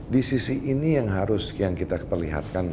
di sisi ini yang harus yang kita perlihatkan